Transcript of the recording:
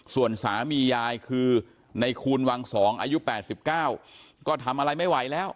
ส่วนสามียายคือในคูณวัง๒อายุ๘๙ก็ทำอะไรไม่ไหวแล้ว